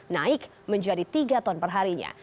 naik menjadi tiga ton per harinya